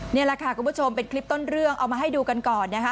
นี่แหละค่ะคุณผู้ชมเป็นคลิปต้นเรื่องเอามาให้ดูกันก่อนนะคะ